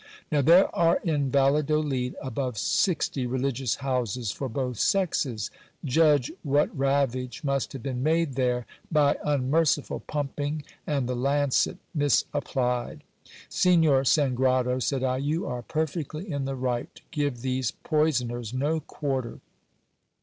>.ow there are in Valladolid above sixty religious houses for both sexes ; judge v hat ravage must have been made there by unmerciful pumping and the lancet misapplied. Signor Sangrado, said I, you are perfectly in the right to give t lese poisoners no quarter.